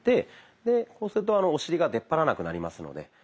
こうするとお尻が出っ張らなくなりますので。